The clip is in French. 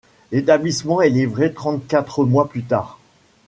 L'établissement est livré trente-quatre mois plus tard.